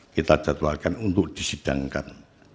kita jadwalkan untuk disidangkan